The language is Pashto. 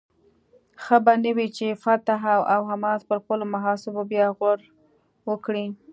ښه به نه وي چې فتح او حماس پر خپلو محاسبو بیا غور وکړي؟